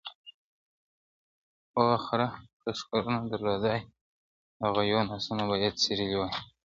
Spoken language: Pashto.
o خره که ښکرونه درلوداى، د غويو نسونه بې څيرلي واى٫